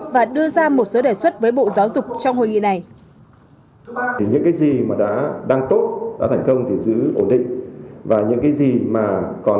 và đưa ra một số đề xuất với bộ giáo dục